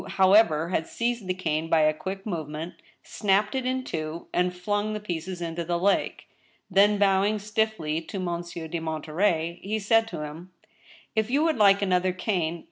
however, had seized the cane by a quick movement, snapped it in two, and flung the pieces into the lake ; then, bowing stiffly to Monsieur de Monterey, he said to him :' If you would like another cane